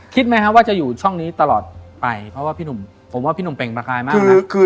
คิดไหมครับว่าจะอยู่ช่องนี้ตลอดไปเพราะว่าพี่หนุ่มผมว่าพี่หนุ่มเปล่งประกายมากนะ